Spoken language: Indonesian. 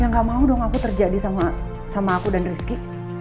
yang gak mau dong aku terjadi sama aku dan rizky